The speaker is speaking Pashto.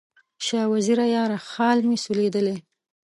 شاه وزیره یاره، خال مې سولېدلی